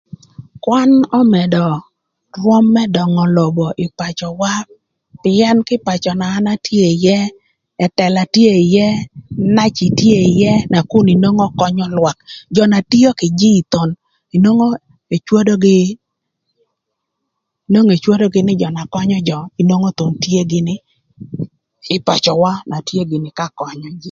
Kwan ömëdö rwöm më döngö lobo ï pacöwa pïën kï ï pacö na an atye ïë, ëtëla tye ïë, naci tye ïë nakun inwongo könyö lwak jö na tio kï jïï thon inwongo ecwodogï, inwongo ecwodogï nï jö na könyö jö, onwongo thon tye gïnï ï pacöwa na tye gïnï ka könyö jïï.